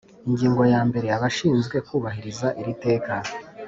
Ingingo ya mbere Abashinzwe kubahiriza iri teka